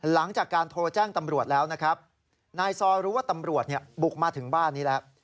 หลังจากการโทรแจ้งตำรวจแล้วนะครับนายซอรู้ว่าตำรวจบุกมาถึงบ้านนี้แล้ว